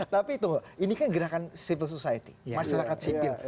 tapi tunggu ini kan gerakan civil society masyarakat civil